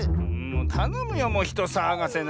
たのむよもうひとさわがせな。